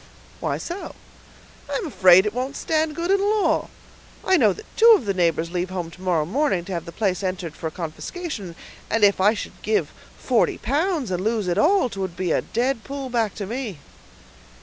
"Why so?" "I'm afraid it won't stand good in law. I know that two of the neighbors leave home to morrow morning, to have the place entered for confiscation; and if I should give forty pounds, and lose it all, 'twould be a dead pull back to me."